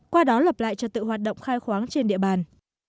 qua đó lập lại trật tự hoạt động khai khoáng trên địa bàn